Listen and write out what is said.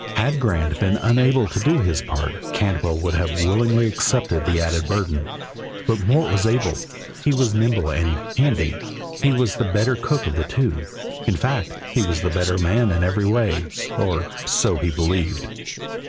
Had Grant been unable to do his part Cantwell would have willingly accepted the added burden, but Mort was able, he was nimble and "handy," he was the better cook of the two; in fact, he was the better man in every way or so he believed.